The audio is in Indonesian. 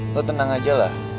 lo tenang aja lah